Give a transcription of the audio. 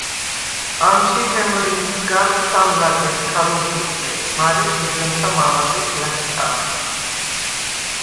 ამჟი ხემჷრმისგალხ სამ ლადეღ ქა ლუბუწე, მარე ჭირჷნქა მამაგვეშ ლა̈ხქამხ.